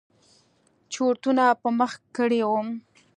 چورتونو په مخه کړى وم.